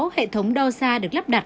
hệ thống đo xa được lắp đặt